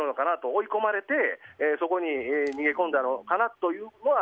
追い込まれてそこに逃げ込んだのかなというのは